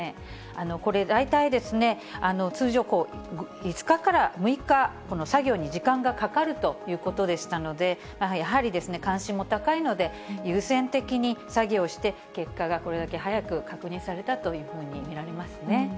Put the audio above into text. これ、大体、通常５日から６日、作業に時間がかかるということでしたので、やはり関心も高いので、優先的に作業して、結果がこれだけ早く確認されたというふうに見られますね。